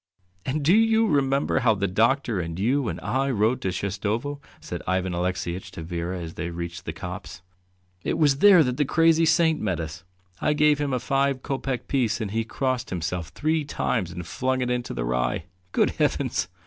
"And do you remember how the doctor and you and I rode to Shestovo?" said Ivan Alexeyitch to Vera as they reached the copse. "It was there that the crazy saint met us: I gave him a five kopeck piece, and he crossed himself three times and flung it into the rye. Good heavens!